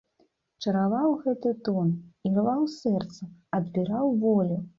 Чараваў гэты тон, ірваў сэрца, адбіраў волю.